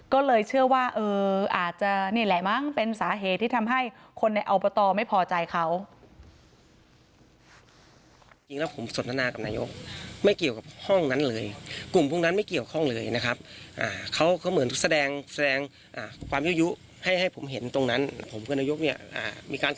ก็เลยเชื่อว่าอาจจะนี่แหละมั้งเป็นสาเหตุที่ทำให้คนในอบตไม่พอใจเขา